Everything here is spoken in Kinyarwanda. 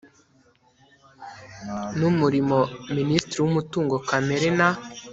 n Umurimo Minisitiri w Umutungo Kamere na